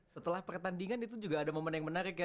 setelah pertandingan itu juga ada momen yang menarik ya